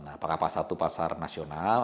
apakah pasar itu pasar nasional